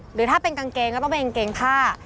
หรือถ้าเป็นกางเกงก็ต้องเป็นกางเกงผ้า